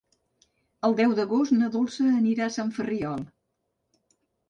El deu d'agost na Dolça anirà a Sant Ferriol.